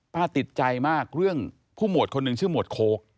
ติดใจมากเรื่องผู้หมวดคนหนึ่งชื่อหมวดโค้ก